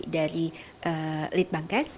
dari lead bankers